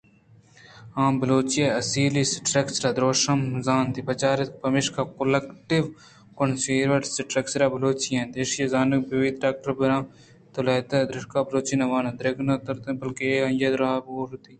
آ بلوچیءِ اصلیں Structure ءِ درٛوشمءَ زانت ءُپجّہ کاریت پمشکا آئیءَ چوcolloctive consciouise Structure بلوچی اِنت چریشی ءَ زانگ بیت کہ ڈاکٹر بیزن ءَ چو لہتیں نبشتہ کاراں بلوچی نہ ونتگ ءُ در نہ برتگ بلکیں اے آئی ءِ ارواہ ءَ ہوار اِنت